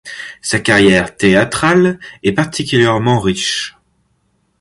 Sa carrière théâtrale est particulièrement riche.